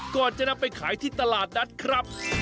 ก่อนจะนำไปขายที่ตลาดนัดครับ